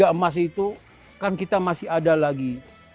tiga emas itu kan kita masih ada lagi